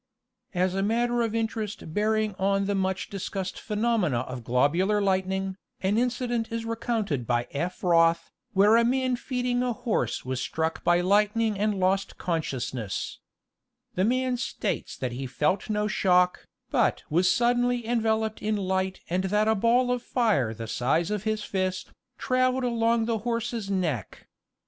' As a matter of interest bearing on the much discussed phe nomena of globular lightning, an incident is recounted by F. Roth, where a man feeding a horse was struck by lightning and Geography of the Air. 53 lost consciousness. The man states that he felt no shock, but was suddenly enveloped in light and that a ball of fire the size of his fist, traveled along the horse's neck.